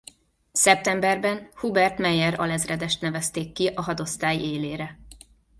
Szeptemberben Hubert Meyer alezredest nevezték ki a hadosztály élére.